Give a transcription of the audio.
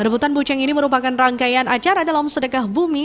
rebutan buceng ini merupakan rangkaian acara dalam sedekah bumi